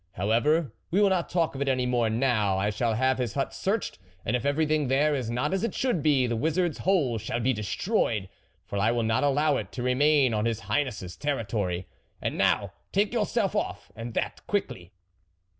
How ever, we will not talk of it any more now ; I shall have his hut searched, and ii everything there is not as it should be, the wizard's hole shall be destroyed, for I will not allow it to remain on his High ness's territory. And now, take yourseli off, and that quickly